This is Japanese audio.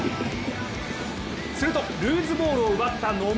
するとルーズボールを奪った野村。